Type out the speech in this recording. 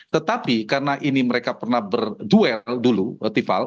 tetapi karena ini mereka pernah berduel dulu feeval